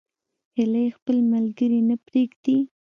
هیلۍ خپل ملګري نه پرېږدي